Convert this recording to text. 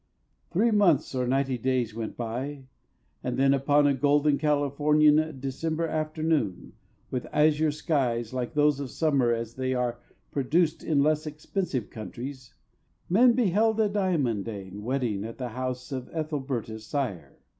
Three months or ninety days went by, and then Upon a golden Californian December afternoon, with azure skies Like those of summer as they are produced In less expensive countries, men beheld A diamondaine wedding at the house Of Ethelberta's sire.